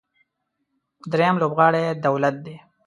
درېیم لوبغاړی دولت دی.